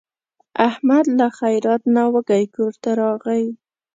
احمد له خیرات نه وږی کورته راغی.